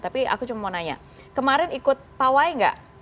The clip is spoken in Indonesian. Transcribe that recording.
tapi aku cuma mau nanya kemarin ikut pawai nggak